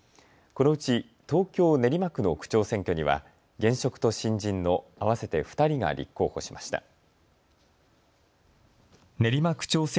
このうち東京練馬区の区長選挙には現職と新人の合わせて２人が立候補しました。